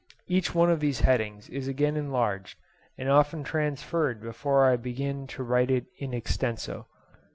Each one of these headings is again enlarged and often transferred before I begin to write in extenso.